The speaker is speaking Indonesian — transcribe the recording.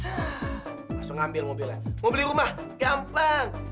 langsung ambil mobilnya mau beli rumah gampang